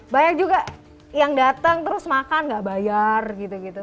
banyak juga yang datang terus makan gak bayar gitu gitu